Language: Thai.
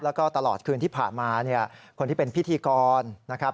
แล้วก็ตลอดคืนที่ผ่านมาเนี่ยคนที่เป็นพิธีกรนะครับ